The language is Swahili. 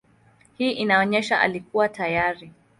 Hii inaonyesha alikuwa tajiri.